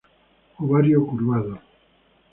Ovario curvado.